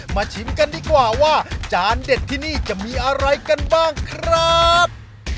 ชิมกันดีกว่าว่าจานเด็ดที่นี่จะมีอะไรกันบ้างครับ